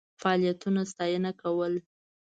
فعالیتونو ستاینه کول.